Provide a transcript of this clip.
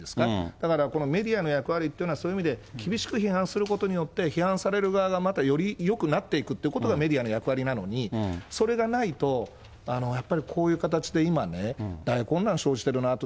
だからこのメディアの役割というのは、そういう意味で厳しく批判されることによって、批判される側がまたよりよくなっていくということがメディアの役割なのに、それがないと、やっぱりこういう形で今ね、大混乱生じてるなって。